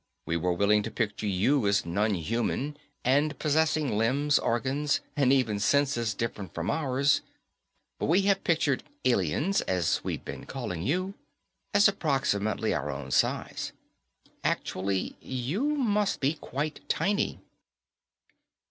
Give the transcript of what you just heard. We were willing to picture you as non human and possessing limbs, organs, and even senses different from ours; but we have pictured 'aliens', as we've been calling you, as approximately our own size. Actually, you must be quite tiny."